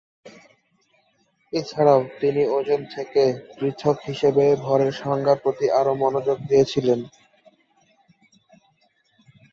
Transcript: এছাড়াও, তিনি ওজন থেকে পৃথক হিসেবে ভরের সংজ্ঞার প্রতি আরও মনোযোগ দিয়েছিলেন।